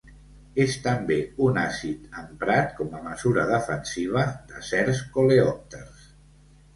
És també un àcid emprat com a mesura defensiva de certs coleòpters.